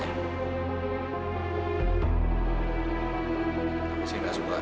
terima kasih atas nasihatnya